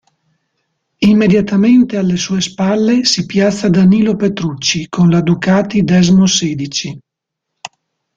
Immediatamente alle sue spalle si piazza Danilo Petrucci con la Ducati Desmosedici.